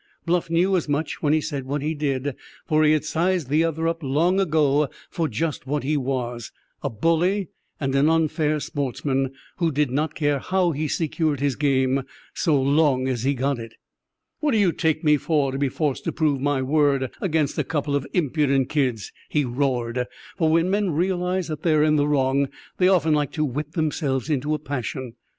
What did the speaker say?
Bluff knew as much when he said what he did, for he had sized the other up long ago for just what he was—a bully and an unfair sportsman, who did not care how he secured his game so long as he got it. "What do you take me for, to be forced to prove my word against a couple of impudent kids?" he roared; for when men realize that they are in the wrong they often like to whip themselves into a passion.